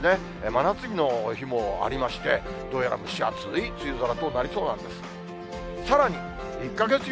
真夏日の日もありまして、どうやら蒸し暑い梅雨空となりそうなんです。